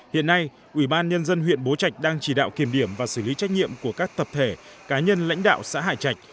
hiện nay ủy ban nhân dân huyện bố trạch đang chỉ đạo kiểm điểm và xử lý trách nhiệm của các tập thể cá nhân lãnh đạo xã hải trạch